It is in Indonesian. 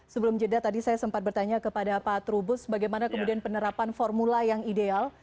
sebelum jeda tadi saya sempat bertanya kepada pak trubus bagaimana kemudian penerapan formula yang ideal